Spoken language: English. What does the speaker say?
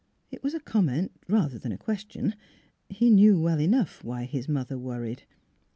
" It was a comment rather than a question. He knew well enough why his mother worried.